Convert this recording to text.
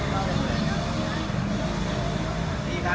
เมริกา